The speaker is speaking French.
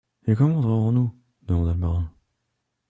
Et comment entrerons-nous ? demanda le marin.